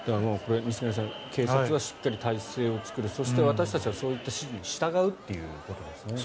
西成さん警察がしっかり態勢を作るそして、私たちはそういった指示に従うということですね。